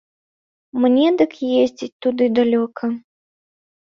Мне дык ездзіць туды далёка.